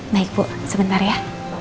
naik bu sebentar ya